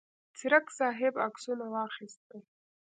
څرک صاحب عکسونه واخیستل.